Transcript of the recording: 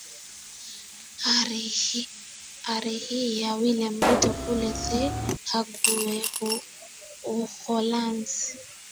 ari hii ya william ruto kule the hague uholanzi